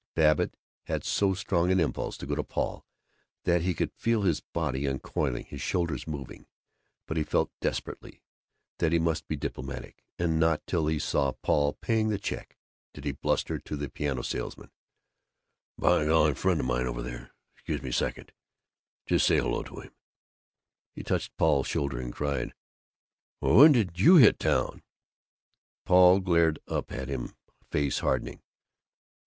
Babbitt had so strong an impulse to go to Paul that he could feel his body uncoiling, his shoulders moving, but he felt, desperately, that he must be diplomatic, and not till he saw Paul paying the check did he bluster to the piano salesman, "By golly friend of mine over there 'scuse me second just say hello to him." He touched Paul's shoulder, and cried, "Well, when did you hit town?" Paul glared up at him, face hardening.